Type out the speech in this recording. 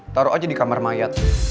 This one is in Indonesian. taruh aja di kamar mayat